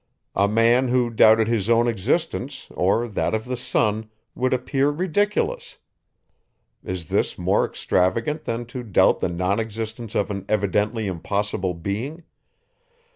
A man, who doubted his own existence, or that of the sun, would appear ridiculous. Is this more extravagant than to doubt the non existence of an evidently impossible being?